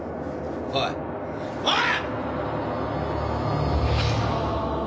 おいおい！！